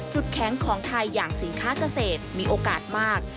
แข็งของไทยอย่างสินค้าเกษตรมีโอกาสมาก